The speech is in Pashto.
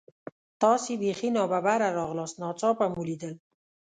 تاسې بیخي نا ببره راغلاست، ناڅاپه مو لیدل.